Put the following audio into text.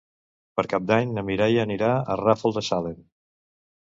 Per Cap d'Any na Mireia anirà al Ràfol de Salem.